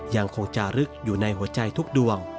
ยังคงจารึกอยู่ในหัวใจทุกดวง